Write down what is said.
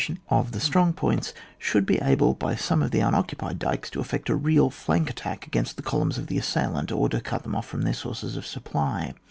sion of the strong points, should be able by some of the unoccupied dykes to effect a real flank attack against the columns of the assailant, or to cut them off from their sources of supply.